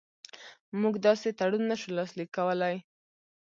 موږ داسې تړون نه شو لاسلیک کولای.